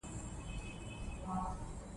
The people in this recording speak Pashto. غازیان باید پر غلیم یرغل کړی وای.